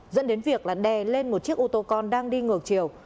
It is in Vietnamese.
dẫn đến việc là đè lên một chiếc ô tô con đang đi ngược chiều